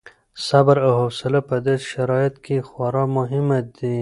صبر او حوصله په داسې شرایطو کې خورا مهم دي.